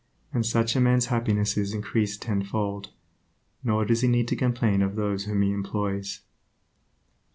And such a man's happiness is increased tenfold, nor does he need to complain of those whom he employs.